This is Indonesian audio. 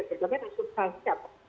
berkualitas dan substansi apa